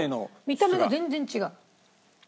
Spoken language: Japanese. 見た目が全然違う。